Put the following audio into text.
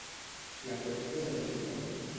La pot fer servir tothom?